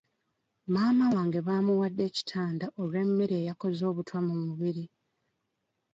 Maama wange bamuwadde ekitanda olw'emmere eyakoze obutwa mu mubiri.